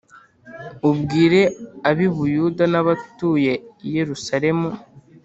ubwire ab i Buyuda n abatuye i Yerusalemu